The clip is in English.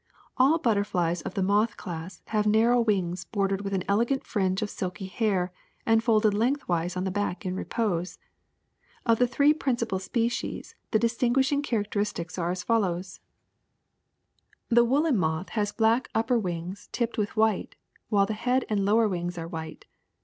A11 butterflies of the moth class have narrow wings bordered with an elegant fringe of silky hair and folded lengthwise on the back in repose. Of the three principal species the distinguishing character istics are as follows : MOTHS 49 *'The woolen moth has black upper wings tipped with white, while the head and lower wings are white.